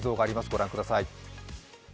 ご覧ください。